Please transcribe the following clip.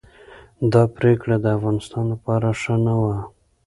دا پریکړه د افغانستان لپاره ښه نه وه.